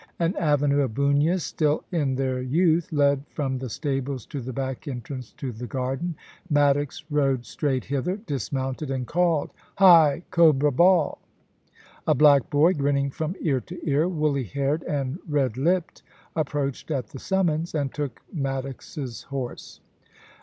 An avenue of bunyas, still in their youth, led from the stables to the back entrance to the garden. Maddox rode straight hither, dismounted, and called : *Hi, Cobra Ball r A black boy, grinning from ear to ear, woolly haired and red lipped, approached at the summons, and took Maddox's horse.